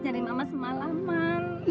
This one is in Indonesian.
nyari mama semalaman